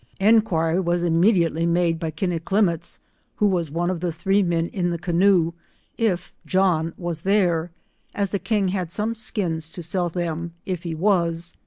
— Eoquiry was immediately madeby Kinnecliramits, who was one of the three men in the canoe, if John was there, as the king had some skins to sell them if he was.